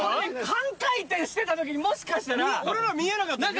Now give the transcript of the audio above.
半回転してた時にもしかしたら俺ら見えなかったよね